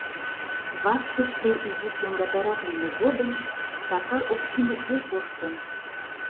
Вакшыште изиш йоҥгатарак лийме годым Сакар Оксимыт дек коштын.